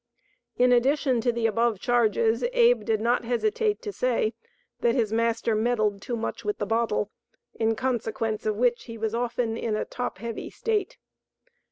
In addition to the above charges, Abe did not hesitate to say that his master meddled too much with the bottle, in consequence of which, he was often in a "top heavy" state.